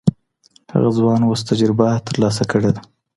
هغه ځوان اوس تجربه ترلاسه کړې ده.